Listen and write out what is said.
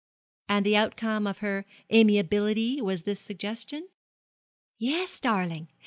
'And the outcome of her amiability was this suggestion?' 'Yes, darling.